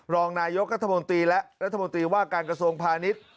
รองนายกรัฐมนตรีและรัฐมนตรีว่าการกระทรวงพาณิชย์